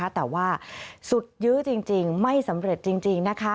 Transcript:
แต่ว่าสุดยื้อจริงไม่สำเร็จจริงนะคะ